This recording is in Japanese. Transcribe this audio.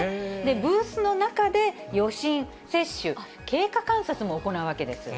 ブースの中で予診、接種、経過観察も行うわけです。